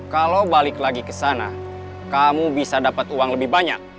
kalau balik lagi ke sana kamu bisa dapat uang lebih banyak